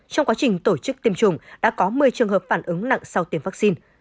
trong quá trình tổ chức tiêm chủng đã có một mươi trường hợp phản ứng nặng sau tiêm vaccine